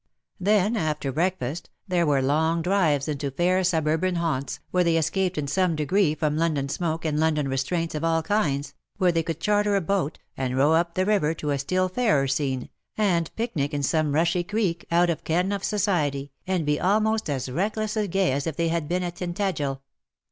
Then, after breakfast, there were long drives into fair suburban haunts, where they escaped in some degree from London smoke and London restraints of all kinds, where they could charter a boat, and row up the river to a still fairer scene, and picnic in some rushy creek, out of ken of society, and be IN SOCIETY. 151 almost as recklessly gay as if they had been at Tintagel.